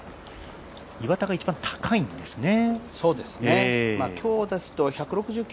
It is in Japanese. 岩田が一番、高いんですね。